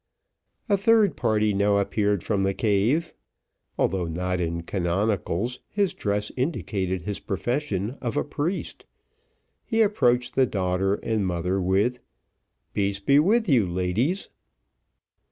A third party now appeared from the cave; although not in canonicals, his dress indicated his profession of a priest. He approached the mother and daughter with, "Peace be with you, ladies."